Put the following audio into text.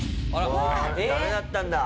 うわダメだったんだ。